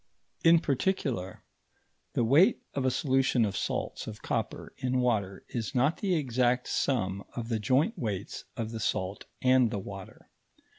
In particular, the weight of a solution of salts of copper in water is not the exact sum of the joint weights of the salt and the water.